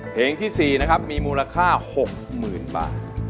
เพลงที่๔นะครับมีมูลค่า๖๐๐๐บาท